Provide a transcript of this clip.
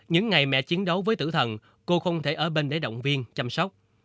những ngày mẹ chiến đấu với tử thần cô không thể ở bên để động viên chăm sóc